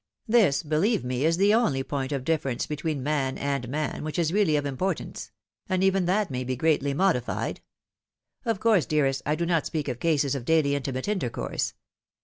This, beheve me, is the only point of difference between man and man, which is really of import ance—and even that may be greatly modified. Of coiirse, dearrat, I do not speak of cases of daily intimate intercourse.